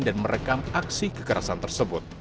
dan merekam aksi kekerasan tersebut